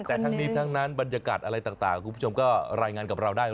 แต่ทั้งนี้ทั้งนั้นบรรยากาศอะไรต่างคุณผู้ชมก็รายงานกับเราได้